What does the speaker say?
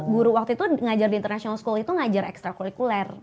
guru waktu itu ngajar di international school itu ngajar ekstra kulikuler